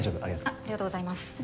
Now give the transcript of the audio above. ありがとうございます。